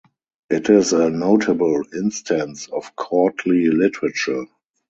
It is a notable instance of courtly literature.